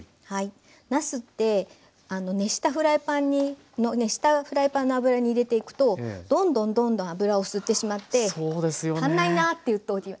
なすって熱したフライパンの油に入れていくとどんどんどんどん油を吸ってしまって足んないなっていう時ありますよね。